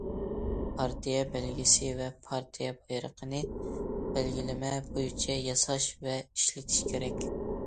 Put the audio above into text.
پارتىيە بەلگىسى ۋە پارتىيە بايرىقىنى بەلگىلىمە بويىچە ياساش ۋە ئىشلىتىش كېرەك.